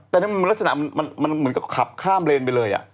แต่นั่นมันเหมือนกับขับข้ามเลนไปเลยอะ